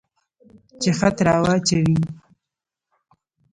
چې خط را واچوي.